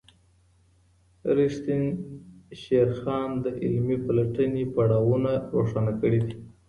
ریښتین شیرخان د علمي پلټني پړاوونه روښانه کړي دي.